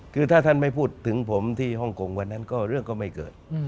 คือถ้าท่านไม่พูดถึงผมที่ฮ่องกงวันนั้นก็เรื่องก็ไม่เกิด